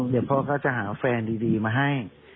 เดี๋ยวพ่อก็จะหาแฟนดีมาให้